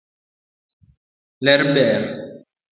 Ler ber.